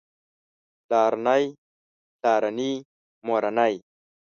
پلارنی پلارني مورنۍ